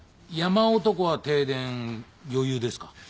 山男は停電余裕ですか？